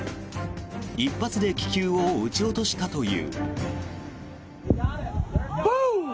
一発で気球を撃ち落としたという。